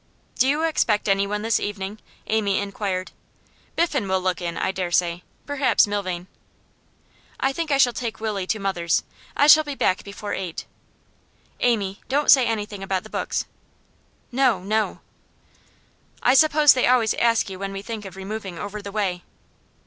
'Do you expect anyone this evening?' Amy inquired. 'Biffen will look in, I dare say. Perhaps Milvain.' 'I think I shall take Willie to mother's. I shall be back before eight.' 'Amy, don't say anything about the books.' 'No, no.' 'I suppose they always ask you when we think of removing over the way?